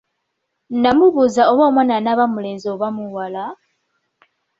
Namubuza oba omwana anaba mulenzi oba muwala?